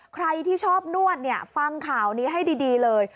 ใครที่ชอบนวดเนี่ยฟังข่าวนี้ให้ดีเลย